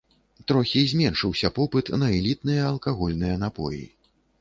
Трохі зменшыўся попыт на элітныя алкагольныя напоі.